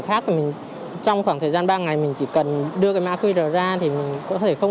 khác thì mình trong khoảng thời gian ba ngày mình chỉ cần đưa cái mã qr ra thì mình có thể không